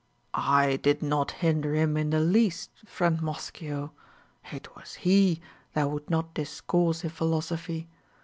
I did not hinder him in the least, friend Moschio, it was he that would not discourse in philosophy.